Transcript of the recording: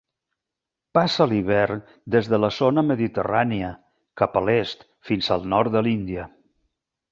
Passa l'hivern des de la zona mediterrània, cap a l'est fins al nord de l'Índia.